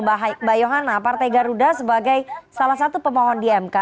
mbak yohana partai garuda sebagai salah satu pemohon di mk